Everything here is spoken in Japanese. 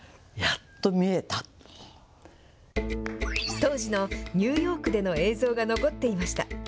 当時のニューヨークでの映像が残っていました。